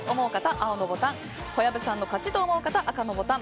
青のボタンを小籔さんの勝ちと思う方は赤のボタン。